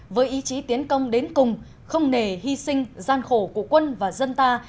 với ý chí tiến công đến cùng không nề hy sinh gian khổ của quân và dân ta